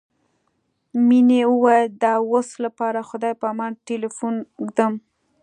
مينې وويل د اوس لپاره خدای په امان ټليفون ږدم.